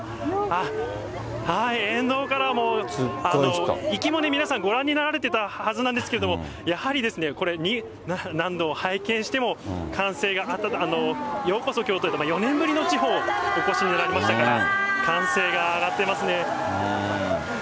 あっ、はい、沿道からも、行きもね、皆さん、ご覧になられてたはずなんですけれども、やはりですね、これ、何度拝見しても歓声が、ようこそ京都へとか、４年ぶりの地方、お越しになりましたから、歓声が上がっていますね。